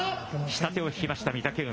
下手を引きました、御嶽海。